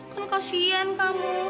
kan kasian kamu